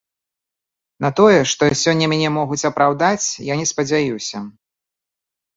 На тое, што сёння мяне могуць апраўдаць, я не спадзяюся.